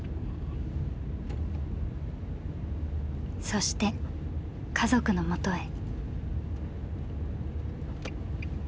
そして家族のもとへ。